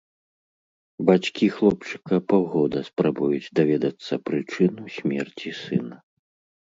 Бацькі хлопчыка паўгода спрабуюць даведацца прычыну смерці сына.